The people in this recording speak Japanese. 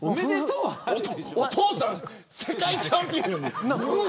お父さん世界チャンピオンに無。